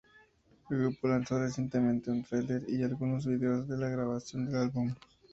El grupo lanzó recientemente un trailer y algunos vídeos de la grabación del álbum.